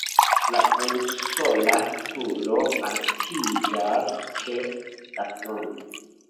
La unusola turo altiĝas ĉe la fronto.